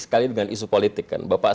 sekali dengan isu politik kan bapak